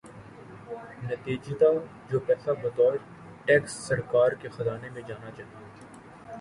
نتیجتا جو پیسہ بطور ٹیکس سرکار کے خزانے میں جانا چاہیے۔